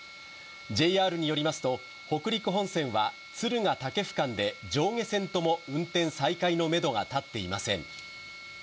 ＪＲによりますと、北陸本線は敦賀・武生間で、上下線とも運転再開のメドが立っていません。